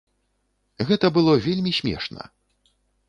Гэта было вельмі смешна.